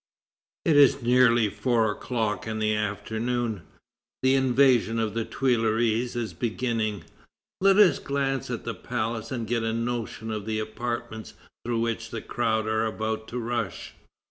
It is nearly four o'clock in the afternoon. The invasion of the Tuileries is beginning. Let us glance at the palace and get a notion of the apartments through which the crowd are about to rush.